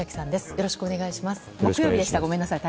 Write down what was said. よろしくお願いします。